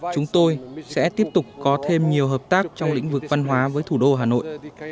chúng tôi sẽ tiếp tục có thêm nhiều hợp tác trong lĩnh vực văn hóa với thủ đô hà nội